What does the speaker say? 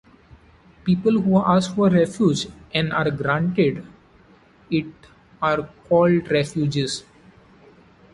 People who ask for refuge and are granted it are called refugees.